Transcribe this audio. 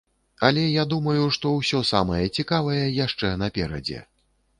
Але я думаю, што ўсё самае цікавае яшчэ наперадзе.